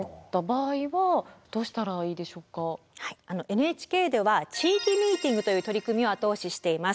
ＮＨＫでは地域ミーティングという取り組みを後押ししています。